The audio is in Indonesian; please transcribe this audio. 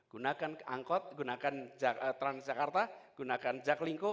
gunakan angkot gunakan transjakarta gunakan jaklingko